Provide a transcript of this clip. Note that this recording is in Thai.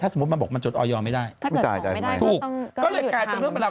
ถ้าสมมติบอกว่าจดออยอมไม่ได้ถูกก็เลยกลายเป็นเรื่องเวลา